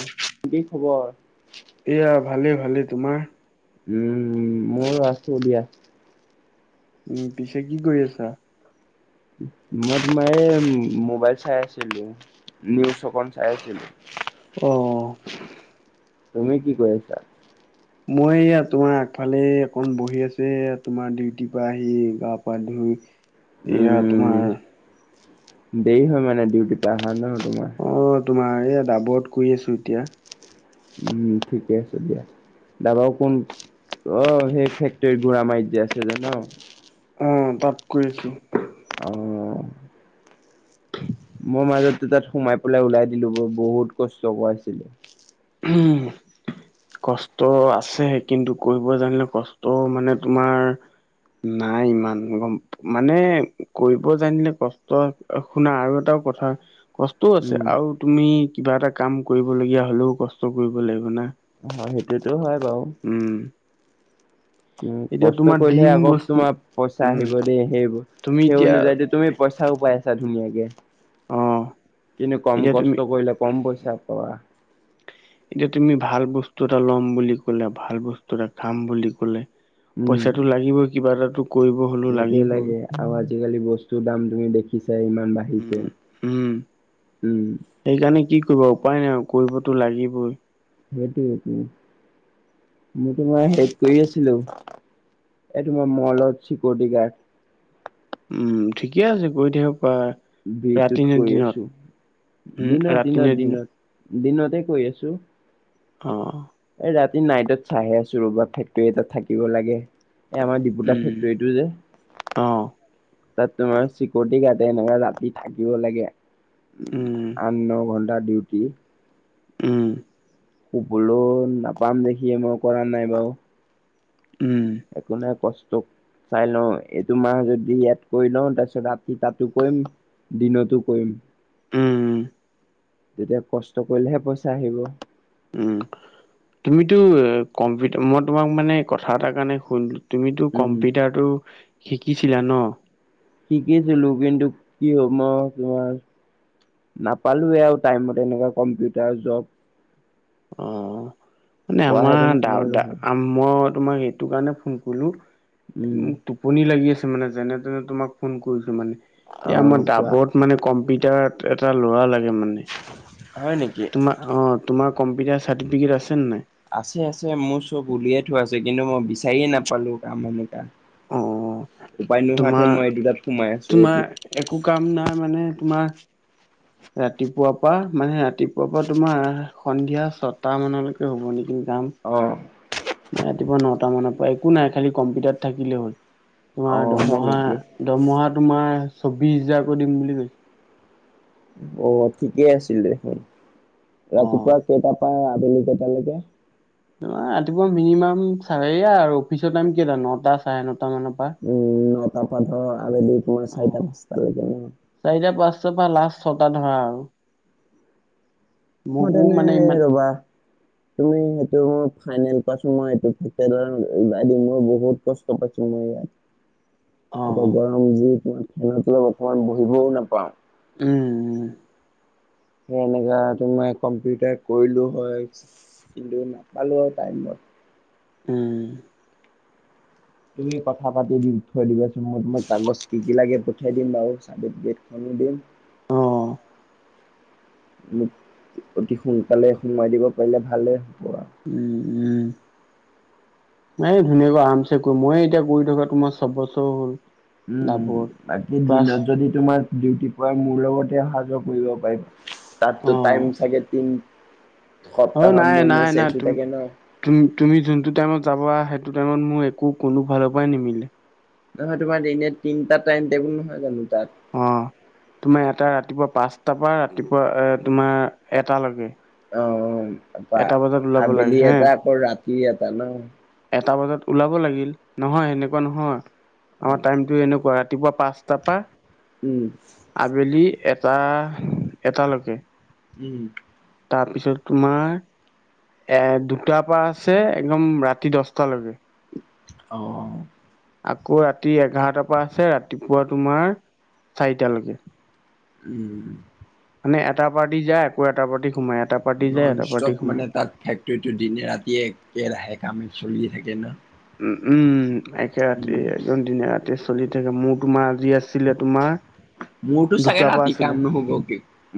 অ' কি খবৰ? এয়া ভালে, ভালে তোমাৰ। উম, মোৰ আছো দিয়া। উম, পিছে কি কৰি আছা? মই তোমাৰ এই ম মোবাইল চাই আছিলো, নিউজ অকন চাই আছিলো। অ' তুমি কি কৰি আছা? মই এইয়া তোমাৰ আগফালে অকণ বহি আছে, তোমাৰ ডিউটিৰ পৰা আহি গা-পা ধুই। [unintelligible] এইয়া তোমাৰ দেৰি হয়, মানে ডিউটি অহাৰ ন তোমাৰ অ', তোমাৰ এইয়া ডাবৰত কৰি আছোঁ, এতিয়া উম, ঠিকে আছে দিয়া। দাবৰ কোন, অ', সেই ফেক্টৰী দুৰামাৰিত যে আছে যে ন? অ', তাত কৰিছো। অ' মই মাজতে তাত সোমাই পেলাই ওলাই দিলো, ব বহুত কষ্ট কৰাইছিলে। উম। কষ্ট আছে, কিন্তু কৰিব জানিলে কষ্ট মানে তোমাৰ নাই ইমান গম মানে কৰিব জানিলে কষ্ট, শুনা আৰু এটাও কথা কষ্টও আছে উম, আৰু তুমি কিবা এটা কাম কৰিবলগীয়া হলেও কষ্ট কৰিব লাগিব না। হয়, সেইটোৱেতো হয় বাৰু। উম। উম, এতিয়া কষ্ট তোমাৰ কৰিলেহে ডিম আকৌ বস্তু তোমাৰ পইচা উম, আহিব দেই সেইবোৰ তুমি সেই এতিয়া অনুযায়ীতো, তুমি পইচাও পাই আছা ধুনীয়াকে। অ', কিন্তু কম এতিয়া তুমি কষ্ট কৰিলে, কম পইচা পাবা। এতিয়া, তুমি ভাল বস্তু এটা ল'ম বুলি কলে, ভাল বস্তু এটা খাম বুলি কলে পইচাটো লাগিবই, কিবা এটা টো লাগেজ লাগে আৰু আজিকালি বস্তুৰ দাম তুমি দেখিছাই ইমান বাঢ় উম, হিছে উম। উম সেইকাৰণে কি কৰিব উপায় নাই, কৰিবতো লাগিবই। সেইটোটো। মই তোমাৰ হেল্প কৰি আছিলো, এই তোমাৰ মলত চিকিউৰিটি গাৰ্ড। উম, ঠিকে আছে, কৰি থাকিব পাৰা। ৰাতি [unintelligible] নে কৰি দিনত? আছো, উম, দিনত, ৰাতি দিনত নে দিনত, দিনতে কৰি আছো। অ'। এই ৰাতি নাইটত চাই আছো ৰবা ফেক্টৰী এটাত থাকিব লাগে। এই আমাৰ ডিপুদা উম, ফেক্টৰীটো যে। অ', তাত তোমাৰ চিকিৰিটি গাৰ্ডে এনেকে ৰাতি থাকিব লাগে। উম, আঠ ন ঘন্টা ডিউটি। উম। শুবলৈ নাপাম দেখিয়ে, মই কৰা নাই বাৰু। উম। একো নাই কষ্ট চাই লওঁ এইটো মাহ যদি ইয়াত কৰি লওঁ, তাৰপিছত ৰাতি তাতো কৰিম। দিনতো কৰিম। উম। তেতিয়া কষ্ট কৰিলেহে পইচা আহিব। উম, তুমিতো, কম্পিউটাৰ মই তোমাক মানে কথা এটাৰ কাৰণে ফো তুমিতো উম। কম্পিউটাৰতটো শিকিছিলা ন? শিকিছিলো, কিন্তু কি হ' মই তোমাৰ নাপালোৱে আৰু টাইমত এনেকুৱা কম্পিউটাৰ জব। অ', মানে পোৱাহেঁতেন আমাৰ সোমালো দাউতাৰ হয়। আম মই তোমাক এইটো কাৰণে ফোন কৰিলো, উম, [unintelligible] টোপনি লাগি আছে মানে যেনে তেনে তোমাক ফোন কৰিছো মানে, এই অ' আমাৰ কোৱা দাবত মানে কম্পিউটাৰত এটা ল'ৰা লাগে মানে। হয় নেকি? তোমাৰ অ', তোমাৰ কম্পিউটাৰ চাৰ্টিফিকেট আছেনে নাই? আছে আছে, মোৰ চব উলিয়াই থোৱা আছে, কিন্তু মই বিচাৰিয়ে নাপালো কাম এনেকুৱা। অ উপায় নোহোৱাতে তোমাৰ মই এই দুটাত সোমাই আছো। তোমাৰ একো কাম নাই মানে তোমাৰ ৰাতিপুৱাৰ পৰা মানে, ৰাতিপুৱাৰ পৰা তোমাৰ সন্ধিয়া ছয়টা মানলৈকে হ'ব নেকি কাম। অ'। ৰাতিপুৱা নটা মানৰ পৰা একো নাই খালি কম্পিউটাৰত থাকিলে হ'ল। অ তোমাৰ হয় দৰমহা, নেকি দৰমহা তোমাৰ চৌবিশ হাজাৰকৈ দিম বুলি কৈছে। অ', ঠিকেই আছিল দেখোন, অ ৰাতিপুৱা কেইটাৰ পৰা, আবেলি কেইটালৈকে? ৰাতিপুৱা মিনিমাম চাৰেয়া আৰু অফিচৰ টাইম কেটা, নটা, চাৰে নটা মানৰ পৰা। উম নটা পৰা ধৰ আৰু [unintelligible] অ চাৰিটা পাঁচটালৈকে, উম। চাৰিটা পাঁচটাৰ পৰা লাষ্ট ছটা ধৰা আৰু। মোকো সুধা মানে নাই ইমান ৰবা। তুমি সেইটো ফাইনেল পাইছো, মই এই মই বহুত কষ্ট পাইছো মই ইয়াত। অ এতিয়া গৰম যি মই ফেনৰ তলত অলপ অকমান বহিবও নাপাওঁ। উম, উম। সেই এনেকা তোমাৰ কম্পিউটাৰ কৰিলো হয়, কিন্তু নাপালো হয় টাইমত। উম। তুমি কথা পাতি দি থৈ দিবাচোন, মই মই কাগজ কি কি লাগে পঠিয়াই দিম বাৰু চাৰ্টিফিকেটখনো দিম। অ মোক অতি সোনকালে সোমুৱাই দিব পাৰিলে ভালে হ'ব আৰু। উম, উম। নাই ধুনীয়াকৈ আৰামছে কৰ, মইয়ে এতিয়া কৰি থকা তোমাৰ চবছৰ হ'ল। উম, দাবত বাকী ক্লাছ দিনত যদি তোমাৰ ডিউটি পৰে মোৰ লগতে অহা যোৱা কৰিব পাৰিম। অ তাততো টাইম চাগে তিন অ', সপ্তাহৰ নাই মূৰে মূৰে নাই চেঞ্জ নাই হৈ তুম থাকে ন। তুম-তুমি যোনটো টাইমত যাবা, সেইটো টাইমত মোৰ একো কোনো ফালৰ পৰাই নিমিলে। নহয় তোমাৰ দিনে তিনটা টাইম টেবুল নহয় জানোঁ তাত? অ', তোমাৰ এটা ৰাতিপুৱা পাঁচটাৰ পৰা ৰাতিপুৱা এ, তোমাৰ এটালৈকে অ', অ', তাপা এটা বজাত ওলাব লাগে আবেলি হে এটা আকৌ ৰাতি এটা ন? এটা বজাত ওলাব লাগিল, নহয় সেনেকুৱা নহয় অ' আমাৰ টাইমটো এনেকুৱা ৰাতিপুৱা পাচঁ তাপা উম। আবেলি এটা, এটালৈকে। উম। তাৰপিছত তোমাৰ এ, দুটাৰ পৰা আছে একদম ৰাতি দশ টা লৈকে। অ'। আকৌ ৰাতি এঘাৰটাৰ পৰা আছে ৰাতিপুৱা তোমাৰ চাৰিটালৈকে। উম। মানে এটা পাৰ্টি যায়, আকৌ এটা পাৰ্টি সোমাই। এটা পাৰ্টি যায় নন এটা পাৰ্টি ষ্টপ মানে সোমাই তাত ফেক্টৰীটো দিনে ৰাতিয়ে একেৰাহে কামে চলিয়ে থাকে না। উম, উম। একে ৰাতি একদম দিনে ৰাতি চলি থাকে, মোৰ তোমাৰ আজি আছিলে তোমাৰ মোৰতো চাগে দুটাৰ পৰা ৰাতি কাম আছিলে ন'হব কি,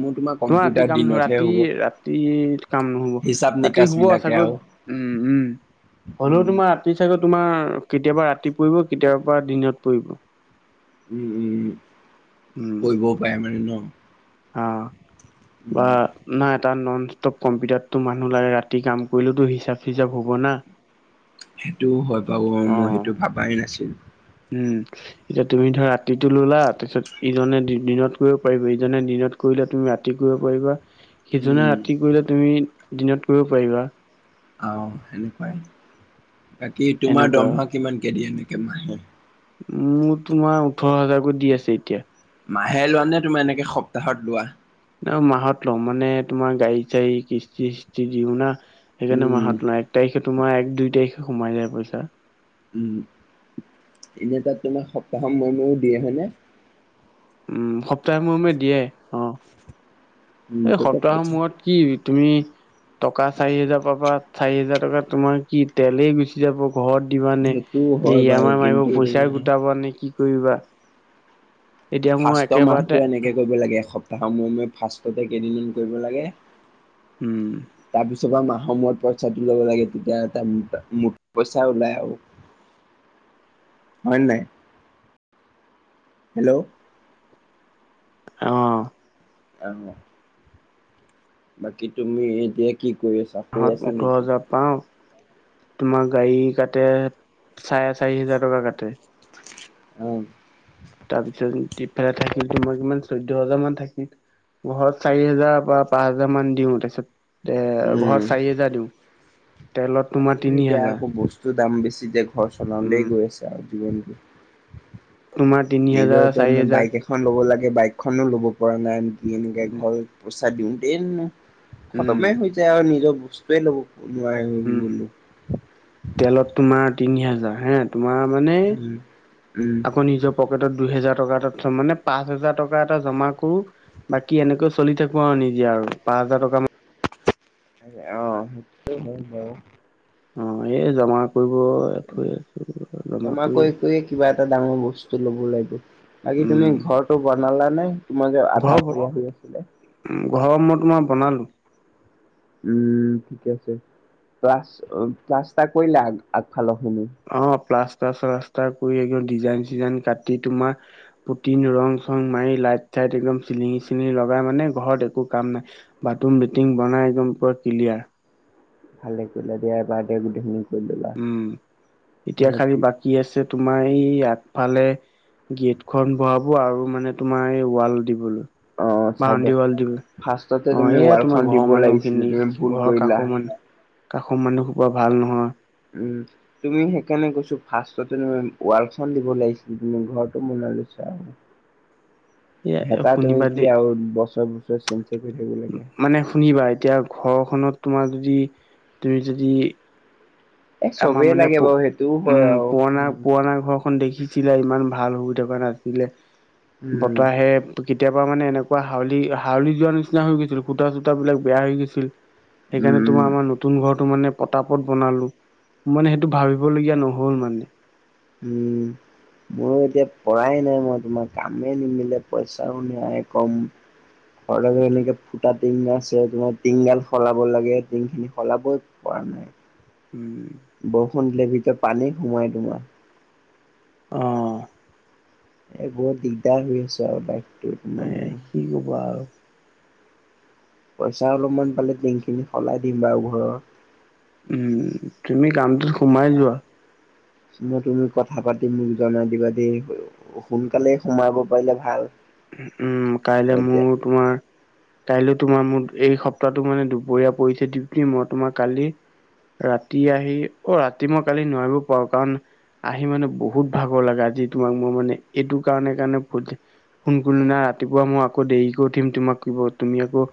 মোৰ তোমাক তোমাৰ ৰাতি কাম নহয়, ৰাতি ৰাতি কাম নহব। হিচাপ ৰাতি নিকাচ শুব বিলাকে চাগৈ আৰু উম, উম। হ'লেও উম। তোমাৰ ৰাতি চাগৈ তোমাৰ কেতিয়াবা ৰাতি পৰিব, কেতিয়াবাৰ পৰা দিনত পৰিব। উম, উম, উম। উম পৰিবও পাৰে মানে ন? অ'। বা উম, না তাত নন ষ্টপ কম্পিউটাৰটো মানুহ লাগে ৰাতি কাম কৰিলেওতো হিচাপ চিচাপ হ'ব না। সেইটোও হয় বাৰু অ', মই সেইটো ভাবাই নাছিলোঁ। উম, এতিয়া তুমি ধৰা ৰাতিটো ললা তাৰপিছত ইজনে দি-দিনত কৰিব পাৰিব, ইজনে দিনত কৰিলে তুমি ৰাতি কৰিব পাৰিবা, সিজনে উম, ৰাতি কৰিলে তুমি দিনত কৰিব পাৰিবা। আ, সেনেকুৱাই। বাকী তোমাৰ সেনেকুৱা দৰমহা কিমানকে দিয়ে এনেকে মাহে? মোৰ তোমাৰ ওঠৰ হাজাৰকৈ দি আছে এতিয়া। মাহে লোৱা নে, তোমাৰ এনেকে সপ্তাহত লোৱা? ন মাহত লওঁ, মানে তোমাৰ গাড়ী চাড়ী কিস্তি চস্তি দিওঁ না। সেইকাৰণে উম, মাহত লওঁ। এক তাৰিখে তোমাৰ এক দুই তাৰিখে সোমাই যায় পইচা। উম, এনে তাত তোমাৰ সপ্তাহৰ মূৰে মূৰেও দিয়ে হয়নে? উম, সপ্তাহ মূৰে মূৰে দিয়ে অ'। উম, এ, তেতিয়া সপ্তাহৰ পইচা মূৰত কি তুমি টকা চাৰি হেজাৰ পাবা, চাৰি হোজাৰ টকা তোমাৰ কি তেলেই গুচি যাব। ঘৰত দিবা নে? সেইটো নে হয় ই এম বাৰু আই কিন্তু মাৰিব পইচাই তোমাৰ গোটাব নে কি কৰিবা? এতিয়া মোৰ ফাৰ্ষ্ট একেবাৰতে মাহটো এনেকে কৰিব লাগে, এসপ্তাহৰ মোৰে, মোৰে ফাৰ্ষ্ট কেইদিনমান কৰিব লাগে। উম তাৰপিছত বা মাহৰ মূৰত পই পইচাটো ল'ব লাগে, তেতিয়া ত মুঠ পইচা ওলাই আৰু। হয় নে নাই? হেল্ল'। অ'। [unintelligible] বাকী তুমি এতিয়া কি কৰি আছা? শুই মাহৰ আছা ওঠৰ নেকি? হাজাৰ পাওঁ তোমাৰ গাড়ী কাটে চাৰে চাৰি হাজাৰ টকা কাটে। অ'। তাৰপিছত ইফালে থাকিল তোমাৰ কিমান চৈধ্য হাজাৰ মান থাকিল, ঘৰত চাৰি হাজাৰ বা পাঁচ হেজাৰ মান দিওঁ, তাৰপিছত এ উম। ঘৰত চাৰি হোজাৰ দিওঁ। তেলত তোমাৰ তিনি এতিয়া হাজাৰ আকৌ বস্তু দাম বেছি যে ঘৰ উম চলাওঁতেই গৈ আছে আৰু জীৱনটো। ৰুমাটি। নিজৰ এতিয়া মোৰ বাইক এখ ল'ব লাগে বাইকখনো ল'ব পৰা নাই আনকি এনেকে উম ঘৰত পইচা দিওঁতেন। উম খতমে হৈ যায় আৰু নিজৰ বস্তুৱয়ে ল'ব নোৱাৰা হৈ উম গলোঁ। তেলত তোমাৰ তিনি হাজাৰ হে তোমাৰ মানে উম উম আকৌ নিজৰ পকেটত দুই হেজাৰ টকা এ মানে পাঁচ হোজাৰ টকা এটা জমা কৰোঁ। বাকী এনেকৈ চলি থাকোঁ আৰু নিজে আৰু পাঁচ হাজাৰ টকা মান অ', [unintelligible] অ', এই জমা কৰিব থৈ আছো জমা কৰি কৰিয়ে কিবা এটা ডাঙৰ বস্তু লব লাগিব। বাকী উম তুমি ঘৰটো বনালা নে তোমাৰ যে আধা চল হৈ আছিলে। ঘৰৰ মই তোমাৰ বনালোঁ। উম ঠিকে আছে, প্লাছ, প্লাছতাৰ কৰিলা আগ-আগফালৰ খিনি? অ', প্লাষ্টাৰ চিলাষ্টাৰ কৰি একদম ডিজাইন চিজাইন কাটি তোমাৰ পুটিন ৰং চং মাৰি লাইট চাইট একদম চিলিঙি চিঙি লগাই মানে ঘৰত একো কাম নাই। বাথৰুম লেটিং বনাই একদম পোৰা ক্লিয়াৰ। ভালে কৰিলা দিয়া এবাৰতেই গোটেইখিনি কৰি ললা উম, এতিয়া মানে খালি কি বাকী আছে তোমাৰ এই আগফালে। গেট খন ভৰাব আৰু মানে তোমাৰ এই ৱাল দিবলৈ অ চাইডৰ বাউনডী ৱাল দিবলৈ। ফাৰ্ষ্টতে অ', তুমি এয়া ৱালখন তোমাৰ দিব ঘৰৰ মানুহ লাগিছিলে খিনি তুমি ভুল ঘৰৰ কৰিলা কাষৰ মানুহ। কাষৰ মানুহ খোপা ভাল নহয়। উম। তুমি সেইকাৰণে কৈছোঁ, ফাৰ্ষ্টে উৱাল চোৱাল দিব লাগিছিল, তুমি ঘৰটো মনাই লৈছা। এ ভেটা তুমি শুনিবা কি দেই আৰু বছৰ, বছৰ চ মানে শুনিবা এতিয়া ঘৰখনত তোমাৰ যদি, তুমি যদি এ আমাৰ চবেই মানে লাগে প বাৰু সেইটোও হয় উম, আৰু পুৰণা, উম পুৰণা ঘৰখন দেখি। আছিলে ইমান ভাল হৈ থকা নাছিলে উম বতাহে ত কেতিয়াবা মানে এনেকুৱা হাউলি, হাউলি যোৱা নিচিনা হৈ গৈছিল সূতা চূতাবিলাক বেয়া হৈ গৈছিল। সেইকাৰণে উম তোমাৰ আমাৰ নতুন ঘৰটো মানে পটাপত বনালোঁ। মানে সেইটো ভাবিবলগীয়া নহ'ল মানে। উম। ময়ো এতিয়া পৰাই নাই মই তোমাৰ কামে নিমিলে পইচাও নাই কম ঘৰত আকৌ এনেকে ফুটা টিঙ আছে তোমাৰ টিংগাল সলাব লাগে টিংখিনি সলাব পৰা নাই উম বৰষুণ দিলে ভিতৰত পানী সোমাই তোমাৰ অ এ বহুত দিগদাৰ হৈ আছে আৰু বাইকতো [unintelligible] এ কি ক'বা আৰু পইচা অলপমান পালে টিঙ খিনি সলাই দিম বাৰু ঘৰৰ উম, তুমি কামটোত সোমাই যোৱা। মই তুমি কথা পাতি মোক জনাই দিবা দেই সোনকালে সোমাব পাৰিলে ভাল। উম, কাইলে এতিয়া মোৰ তোমাৰ কাইলৈ তোমাৰ মোৰ এই সপ্তাহটো মানে দুপৰীয়া পৰিছে দিউতি মই তোমাৰ কালি ৰাতি আহি, অ', ৰাতি মই কালি নোৱাৰিবও পাৰো কাৰণ আহি মানে বহুত ভাগৰ লাগে, আজি তোমাক মই মানে এইটো কাৰণে কাৰণে ফোন কৰিলো না ৰাতিপুৱা মই আকৌ দেৰিকৈ উঠিম তোমাক কিব তুমি আকৌ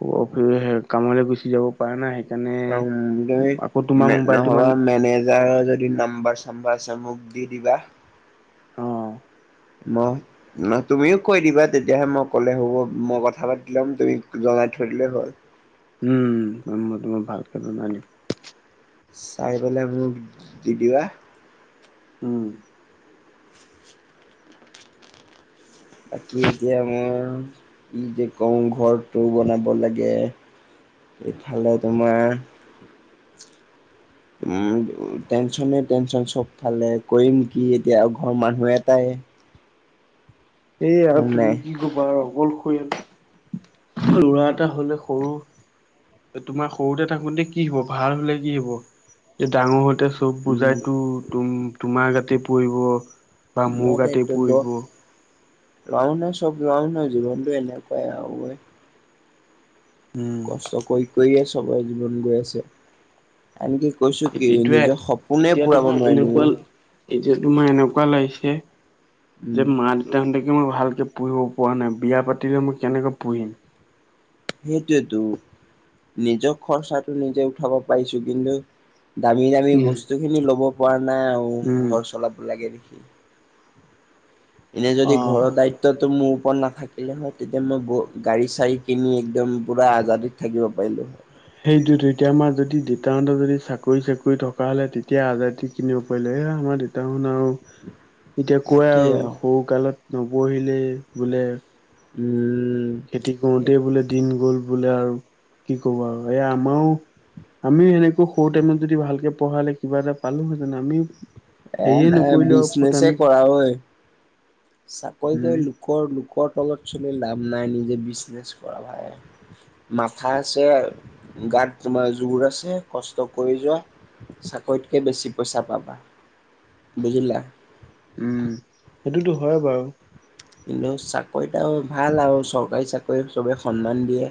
[unintelligible] কামলৈ গুচি যাব পাৰা না, সেইকাৰণে উম তুমি তোমাৰ মোবাইলটো নহবা মানে মেনেজাৰৰ যদি নাম্বাৰ চাম্বাৰ আছে মোক দি দিবা অ', নহ নহ তুমিও কৈ দিবা তেতিয়াহে মই ক'লে হ'ব, মই কথা পাতি ল'ম, তুমি জনাই থৈ দিলেই হ'ল। উম, মই তোমাক ভালকে জনাই দিম। চাই পেলাই মোক দি দিবা। উম, বাকী এতিয়া আমাৰ ই যে কওঁ ঘৰটো বনাব লাগে ইফালে তোমাৰ উম, টেনচনে টেনচন চবফালে কৰিম কি এতিয়া ঘৰৰ মানুহ এটাই এই আৰু হয় তুমি নাই কি কবা আৰু অকলশৰীয়া, ল'ৰা এটা হলে সৰু তোমাৰ সৰুতে থাকোতে কি হব ভাল হলে কি হব, যে ডাঙৰ হঁওতে চব উম বুজাইতো তুম তোমাৰ গাতেই পৰিব বা মোৰ গাতে পৰিব। ল'ৰা মানুহে চব ল'ৰা মানুহৰ জীৱনতো এনেকুৱাই আৰু উম কষ্ট কৰি কৰিয়ে চবৰে জীৱন গৈ আছে আনকি কৈছো কি এইটোৱে নিজৰ সপোনে এতিয়া পুৰাব তোমাৰ নোৱাৰিলো এনেকুৱা মই এতিয়া তোমাৰ এনেকুৱা লাগিছে উম যে মা তেহঁতকে মই ভালকে পুহিব পৰা নাই, বিয়া পাতিলে মই কেনেকৈ পুহিম? সেইটোয়েতো নিজৰ খৰচাটো নিজে উঠাব পাৰিছো, কিন্তু দামী দামী উম বস্তু খিনি লব পৰা নাই আৰু উম ঘৰ চলাব লাগে দেখি এনে যদি অ'। ঘৰৰ দায়িত্ব টো মোৰ ওপৰত নাথাকিলে হয়, তেতিয়া মই ব গাড়ী চাড়ী কিনি একদম পূৰা আজাদিত থাকিব পাৰিলোঁ হয়। সেইটোয়েতো এতিয়া আমাৰ যদি দেউতা হঁতৰ যদি চাকৰি - চাকৰি থকা হ'লে তেতিয়া আজাদি কিনিব পাৰিলো হয় এই আমাৰ দেউ তাহুন আৰু এতিয়া কয় আৰু সৰু কালত নপঢ়িলে বোলে উম, খেতি কৰোতেই বোলে দিন গ'ল বোলে আৰু কি কবা আৰু এই আমাৰো আমিও এনেকৈ সৰু টাইমত যদি ভালকে পঢ়ালে কিবা এটা পালোহেঁতেন আমি এ নাই বিজনেছে কৰা ঐ চাকৰি উম কৰি লোকৰ লোকৰ তলত চলি লাভ নাই নিজে বিজনেছ কৰা ভাই। মাথা আছে, গাত তোমাৰ জোৰ আছে, কষ্ট কৰি যোৱা চাকৰিতকে বেছি পইচা পাবা বুজিলা উম সেইটোতো হয় বাৰু কিন্তু চাকৰিত আও ভাল আও চৰকাৰী চাকৰিত চবেই সন্মান দিয়ে